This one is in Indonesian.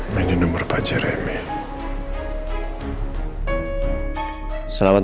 saya duluan ya pak